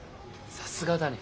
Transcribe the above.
さすがだね。